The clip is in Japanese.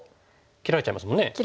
切られちゃいますもんね。